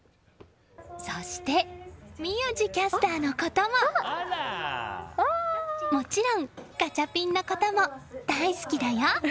そして宮司キャスターのことももちろんガチャピンのことも大好きだよ。